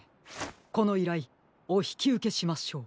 このいらいおひきうけしましょう。